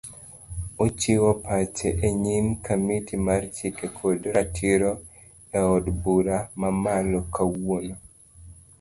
Ochiwo pache enyim kamiti mar chike kod ratiro eod bura mamalo kawuono